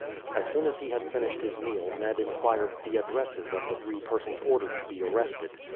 As soon as he had finished his meal Ned inquired the addresses of the three persons ordered to be arrested.